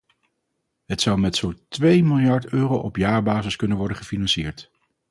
Het zou met zo’n twee miljard euro op jaarbasis kunnen worden gefinancierd.